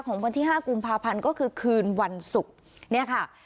วันที่ห้ากุมภาพันธ์ก็คือคืนวันศุกร์เนี่ยค่ะ